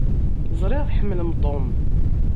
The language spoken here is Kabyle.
Ẓriɣ tḥemmlem Tom.